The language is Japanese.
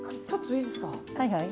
ちょっといいですか。